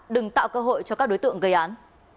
đừng tạo cơ hội cho các đối tượng gây án